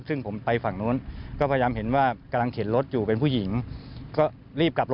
สวัสดีครับ